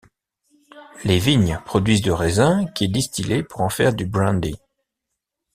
Les vignes produisent du raisin qui est distillé pour en faire du brandy.